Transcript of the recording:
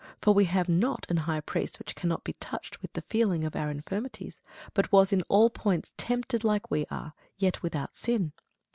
For we have not an high priest which cannot be touched with the feeling of our infirmities; but was in all points tempted like as we are, yet without sin.